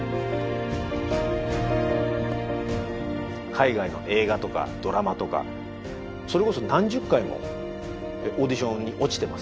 海外の映画とかドラマとかそれこそ何十回もオーディションに落ちてます